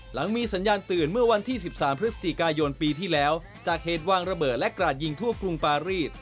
หลังมีสัญญาณตื่นเมื่อวันที่๑๓พฤศจิกายนปีที่แล้วจากเหตุวางระเบิดและกราดยิงทั่วกรุงปารีส